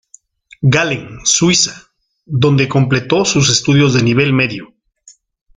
Gallen, Suiza, donde completó sus estudios de nivel medio.